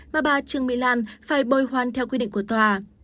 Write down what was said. mà bà trương my lan phải bồi hoan theo quy định của tòa